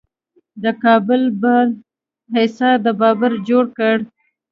د کابل بالا حصار د بابر جوړ کړ